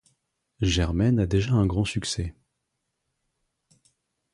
Germaine a déjà un grand succès.